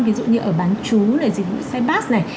ví dụ như ở bán chú này dịch vụ sai bát này